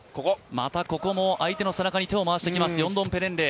またここも相手の背中に手を回してきますヨンドンペレンレイ。